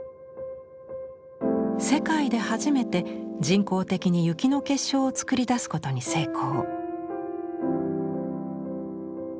世界で初めて人工的に雪の結晶を作り出すことに成功。